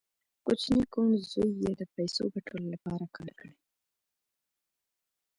کوچني کوڼ زوی یې د پیسو ګټلو لپاره کار کړی